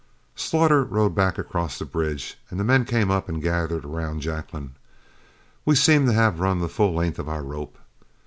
Slaughter rode back across the bridge, and the men came up and gathered around Jacklin. We seemed to have run the full length of our rope.